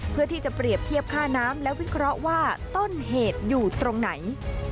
เพื่อที่จะเปรียบเทียบค่าน้ำและวิเคราะห์ว่าต้นเหตุอยู่ตรงไหน